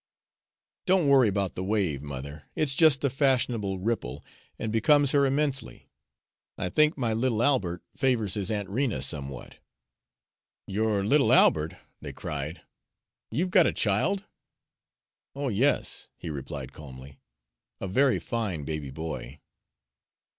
"Don't worry about the wave, mother. It's just the fashionable ripple, and becomes her immensely. I think my little Albert favors his Aunt Rena somewhat." "Your little Albert!" they cried. "You've got a child?" "Oh, yes," he replied calmly, "a very fine baby boy."